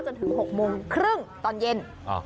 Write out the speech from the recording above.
จนถึง๖โมงครึ่งตอนเย็น